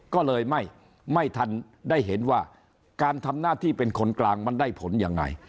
ก็เลยไม่ทันได้เห็นว่าการทำหน้าที่เป็นคนกลางมันได้ผลยังไง